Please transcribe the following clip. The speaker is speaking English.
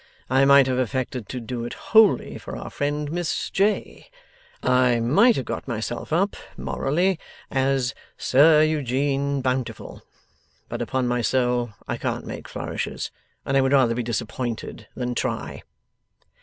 I might have affected to do it wholly for our friend Miss J. I might have got myself up, morally, as Sir Eugene Bountiful. But upon my soul I can't make flourishes, and I would rather be disappointed than try.